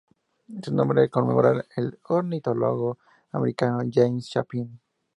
Su nombre conmemora al ornitólogo americano James Chapin.